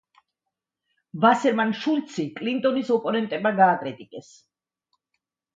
ვასერმან-შულცი კლინტონის ოპონენტებმა გააკრიტიკეს.